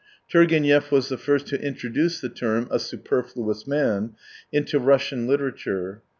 Turgenev was the first to introduce the term " a superfluous man " into Russian literature.